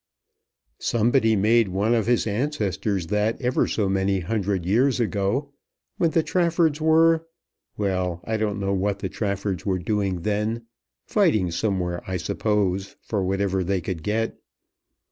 "Somebody made one of his ancestors that ever so many hundred years ago, when the Traffords were ; well, I don't know what the Traffords were doing then; fighting somewhere, I suppose, for whatever they could get.